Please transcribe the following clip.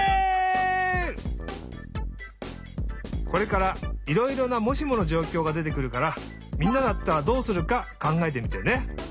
これからいろいろな「もしものじょうきょう」がでてくるからみんなだったらどうするかかんがえてみてね！